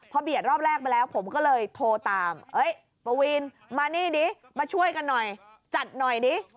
พอเบียดรอบแรกไปแล้วผมก็เลยโทรตามปวีนมานี่ดิมาช่วยกันหน่อยจัดหน่อยดิ